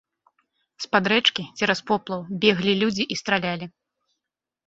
З-пад рэчкі, цераз поплаў, беглі людзі і стралялі.